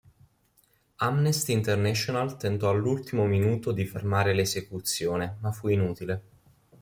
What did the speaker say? Amnesty International tentò all'ultimo minuto di fermare l'esecuzione, ma fu inutile.